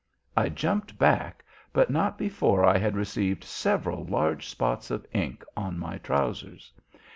I jumped back, but not before I had received several large spots of ink on my trousers.